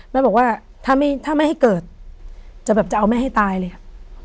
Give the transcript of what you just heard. แม่บอกว่าถ้าไม่ให้เกิดจะแบบจะเอาแม่ให้ตายเลยอ่ะ